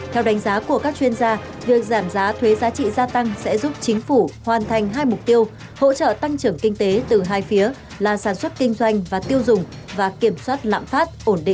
theo đánh giá của các chuyên gia việc giảm giá thuế giá trị gia tăng sẽ giúp chính phủ hoàn thành hai mục tiêu hỗ trợ tăng trưởng kinh tế từ hai phía là sản xuất kinh doanh và tiêu dùng và kiểm soát lạm phát ổn định